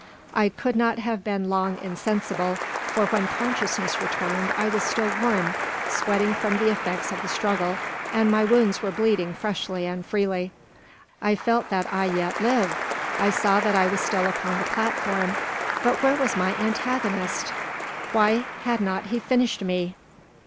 I could not have been long insensible; for when consciousness returned I was still warm, sweating from the effects of the struggle, and my wounds were bleeding freshly and freely. I felt that I yet lived. I saw that I was still upon the platform; but where was my antagonist? Why had not he finished me?